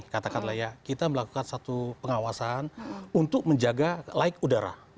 katakanlah ya kita melakukan satu pengawasan untuk menjaga laik udara